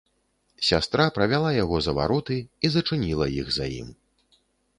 Сястра правяла яго за вароты і зачыніла іх за ім.